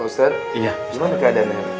ustadz gimana keadaan nenek